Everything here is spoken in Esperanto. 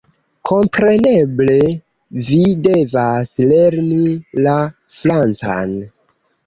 "Kompreneble, vi devas lerni la francan!